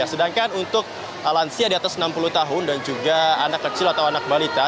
sedangkan untuk lansia di atas enam puluh tahun dan juga anak kecil atau anak balita